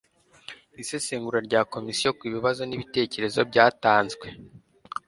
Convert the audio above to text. isesengura rya komisiyo ku bibazo n ibitekerezo byatanzwe